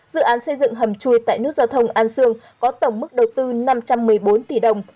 dự án xây dựng hầm chui tại nút giao thông an sương có tổng mức đầu tư năm trăm một mươi bốn tỷ đồng